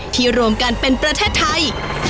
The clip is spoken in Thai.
รวมกันเป็นประเทศไทย